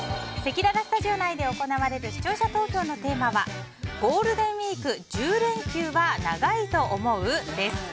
せきららスタジオ内で行われる視聴者投票のテーマはゴールデンウィーク１０連休は長いと思う？です。